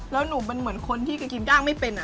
แล้วหนูมันเหมือนคนที่กินย่างไม่เป็น